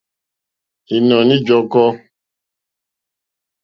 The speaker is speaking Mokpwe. Ìnɔ̀ní ǃjɔ́kɔ́.